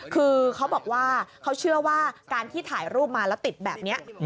คือเขาบอกว่าเขาเชื่อว่าการที่ถ่ายรูปมาแล้วติดแบบนี้